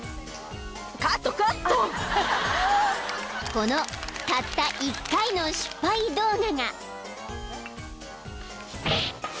［このたった１回の失敗動画が］